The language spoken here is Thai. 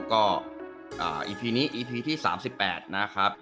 ก็อีพีนี้อีพีที่๓๘นะครับ